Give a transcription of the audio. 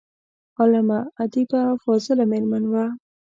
عالمه، ادیبه او فاضله میرمن وه.